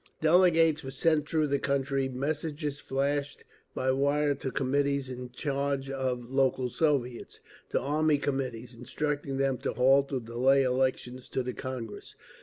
Delegates were sent through the country, messages flashed by wire to committees in charge of local Soviets, to Army Committees, instructing them to halt or delay elections to the Congress.